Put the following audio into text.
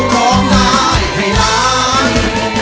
ร้องได้ให้ล้าน